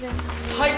はい。